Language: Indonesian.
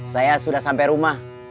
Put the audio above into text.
saya sudah sampai rumah